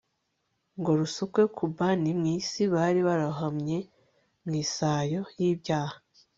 ngo rusukwe ku ban mw isi bari bararohamye mw isayo yibyaha